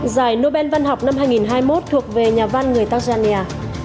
giải nobel văn học năm hai nghìn hai mươi một thuộc về nhà văn người tajania